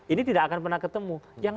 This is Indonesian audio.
ini tidak akan pernah ketemu yang